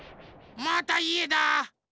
またいえだ！